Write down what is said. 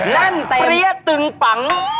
แน่นเตรี้ยตึงปัง